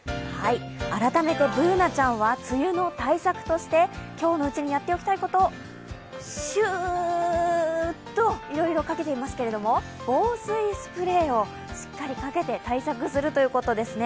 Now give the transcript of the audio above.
改めてＢｏｏｎａちゃんは梅雨の対策として、今日のうちにやってきたいことシューっと、いろいろかけていますが防水スプレーをしっかりかけて対策するということですね。